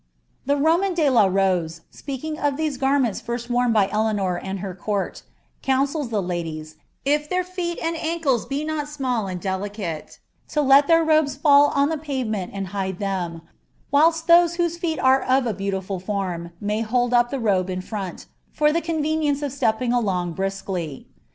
The &^ man de la Rose, speakins; of these gaimenU Arst worn by Eleanor taJ h«'r court, counsels the ladiea, if their feel and aucles be not «m*ll tnil delicate, to let their robes iail on the pavement and hide them, whilil those whose feet are of a beautiful form, may hold up the robn ui Iroid, fur the convenience of stepping along briskly.